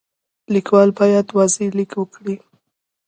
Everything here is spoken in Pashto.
لیکوال باید واضح لیک وکړي.